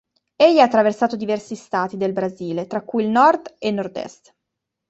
Egli ha attraversato diversi stati del Brasile, tra cui il nord e nord-est.